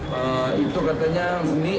harga mie instan tidak akan naik